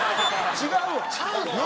違うわ。